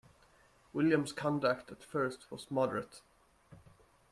William’s conduct at first was moderate.